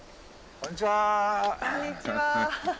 こんにちは。